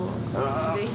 ぜひ。